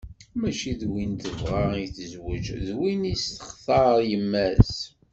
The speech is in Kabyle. Mačči d win tebɣa i tezweǧ, d win i s-textar yemma-s.